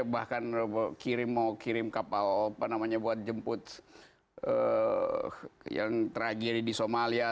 bahkan kirim mau kirim kapal apa namanya buat jemput yang tragedi di somalia